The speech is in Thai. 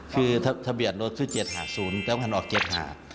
คือทะเบียดรถคือ๗หา๐แต่ก็พันธุ์ออก๗หา